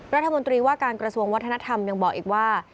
รัฐมนตรีว่าการกระทรวงวัฒนธรรมยังบอกอีกว่า